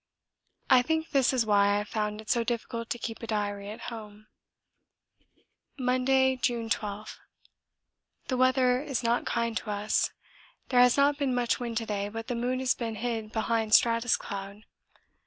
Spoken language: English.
I think this is why I have found it so difficult to keep a diary at home. Monday, June 12. The weather is not kind to us. There has not been much wind to day, but the moon has been hid behind stratus cloud.